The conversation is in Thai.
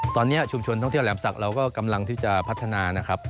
ตอนนี้ชุมชนท่องเที่ยวแหลมศักดิ์เราก็กำลังที่จะพัฒนานะครับ